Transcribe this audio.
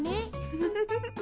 ウフフフ。